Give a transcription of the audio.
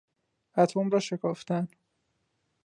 اتم را شکافتن